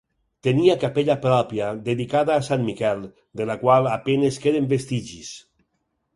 Tenia capella pròpia, dedicada a Sant Miquel, de la qual a penes queden vestigis.